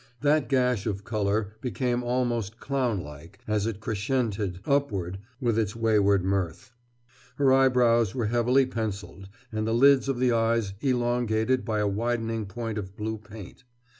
That gash of color became almost clown like as it crescented upward with its wayward mirth. Her eyebrows were heavily penciled and the lids of the eyes elongated by a widening point of blue paint.